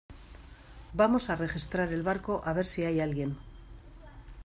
vamos a registrar el barco a ver si hay alguien.